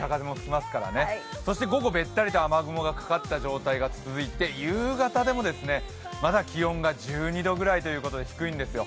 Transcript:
そして午後、べったりと雨雲がかかった状態が続いて、夕方でも、まだ気温が１２度くらいということで低いんですよ。